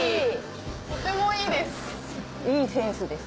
とてもいいです。